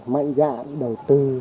mạnh dạng đầu tư